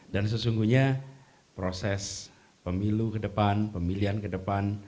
dan sesungguhnya proses pemilu ke depan pemilihan ke depan